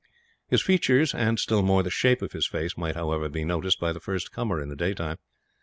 His features and, still more, the shape of his face might, however, be noticed by the first comer, in the daytime.